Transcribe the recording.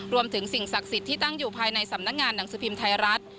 สิ่งศักดิ์สิทธิ์ที่ตั้งอยู่ภายในสำนักงานหนังสือพิมพ์ไทยรัฐ